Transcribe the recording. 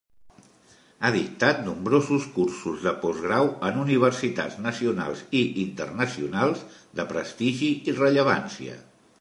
Ha dictat nombrosos cursos de postgrau en Universitats nacionals i internacionals de prestigi i rellevància.